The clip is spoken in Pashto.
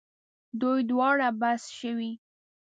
دوی دواړو بس شوې.